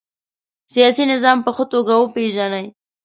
سیاسي نظام په ښه توګه وپيژنئ.